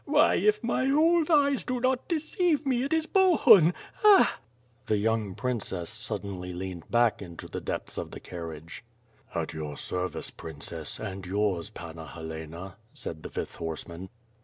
"Why! if my old eyes do not deceive me, it is Bohun. Eh!" The young princess suddenly leaned back into the depths of the carriage. WITH FIRE AND SWORD. 45 "At your service, Princess; and yours, Panna Helena," said the fifth horseman.